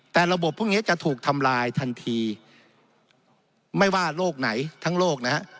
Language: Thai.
แต่ระบบพวกนี้จะถูกทำลายทันทีไม่ว่าโรคไหนทั้งโลกนะฮะ